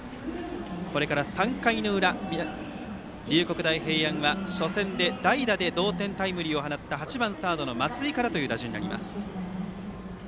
これから３回の裏、龍谷大平安は初戦で代打で同点タイムリーを放った８番サードの松井からです。